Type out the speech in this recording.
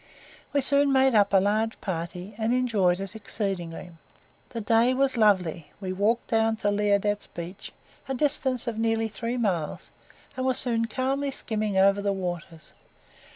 We soon made up a large party, and enjoyed it exceedingly. The day was lovely. We walked down to Liardet's Beach, a distance of nearly three miles, and were soon calmly skimming over the waters.